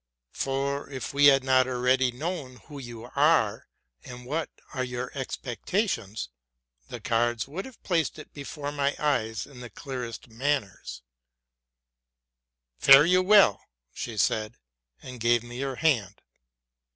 For, if we had not known already who you are and what are your expecta tions, the cards would have placed it before my eyes in the clearest manner. Fare you well!'' said she, and gave me her hand.